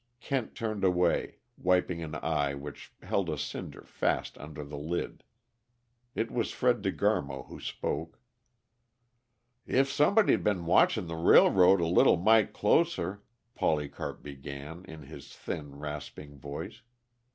Kent turned away, wiping an eye which held a cinder fast under the lid. It was Fred De Garmo who spoke. "If somebody'd been watchin' the railroad a leetle might closer " Polycarp began, in his thin, rasping voice.